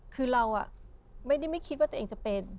คือเราไม่ได้ไม่คิดว่าตัวเองจะเป็น